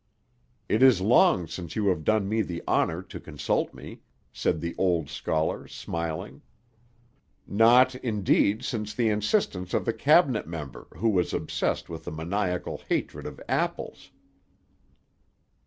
"It is long since you have done me the honor to consult me," said the old scholar, smiling. "Not, indeed, since the instance of the cabinet member who was obsessed with a maniacal hatred of apples."